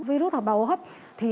virus hợp bào hô hấp